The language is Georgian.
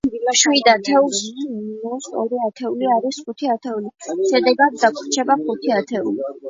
შვიდ ათეულს მინუს ორი ათეული არის ხუთი ათეული, შედეგად დაგვრჩება ხუთი ათეული.